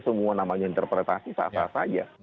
semua namanya interpretasi sah sah saja